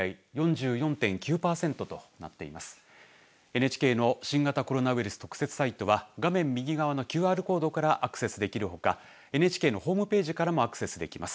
ＮＨＫの新型コロナウイルス特設サイトは画面右側のＱＲコードからアクセスできるほかＮＨＫのホームページからもアクセスできます。